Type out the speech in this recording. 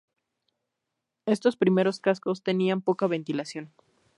Estos primeros cascos tenían poca ventilación.